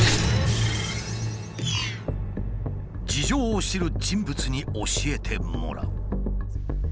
事情を知る人物に教えてもらう。